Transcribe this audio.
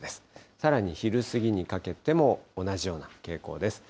さらに昼過ぎにかけても同じような傾向です。